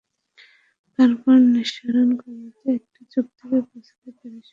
Carbon নিঃসরণ কমাতে একটি চুক্তিতে পৌঁছাতে প্যারিসে রাষ্ট্রগুলোর সমঝোতার আলোচনা শুরু হয়েছে।